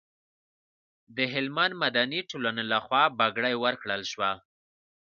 د هلمند مدني ټولنې لخوا بګړۍ ورکول شوه.